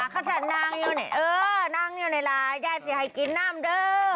เขาถ่านน้ำอยู่นี่เออน้ำอยู่นี่ล่ะแย่สิให้กินน้ำเด้อ